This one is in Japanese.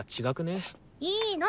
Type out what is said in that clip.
いいの！